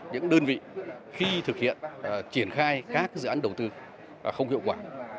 những đơn vị khi thực hiện triển khai các dự án đầu tư không hiệu quả